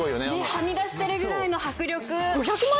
はみ出してるくらいの迫力。